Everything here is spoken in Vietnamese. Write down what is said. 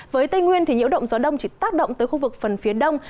với tây nguyên nhiễu động gió đông chỉ tác động tới khu vực phần phía đông